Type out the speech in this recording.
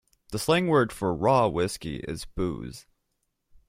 The slang word for raw whiskey is booze.